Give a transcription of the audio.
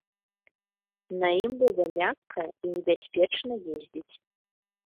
На ім было мякка і небяспечна ездзіць.